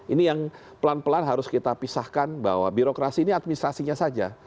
ini yang pelan pelan harus kita pisahkan bahwa birokrasi ini administrasinya saja